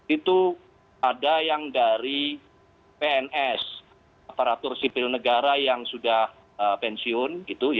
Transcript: itu ada yang dari pns aparatur sipil negara yang sudah pensiun